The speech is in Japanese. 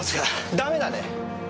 ダメだね。